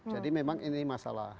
jadi memang ini masalah